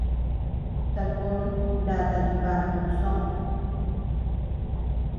Sakón nata dibaku soʼö.